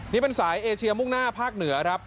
นี่เป็นสายเอเชียมุ่งหน้าภาคเหนือครับ